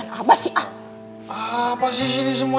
nah buradan sampe tapi experiencing one